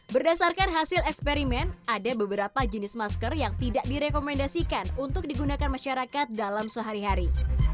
berdasarkan hasil eksperimen ada beberapa jenis masker yang tidak direkomendasikan untuk digunakan masyarakat dalam sehari hari